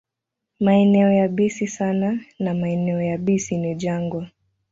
Maeneo yabisi sana na maeneo yabisi ni jangwa.